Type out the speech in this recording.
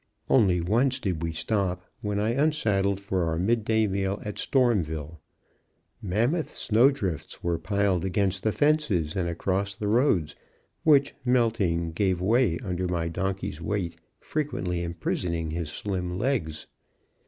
Only once did we stop, when I unsaddled for our mid day meal at Stormville, Mammoth snow drifts were piled against the fences and across the roads which, melting, gave way under my donkey's weight, frequently imprisoning his slim legs.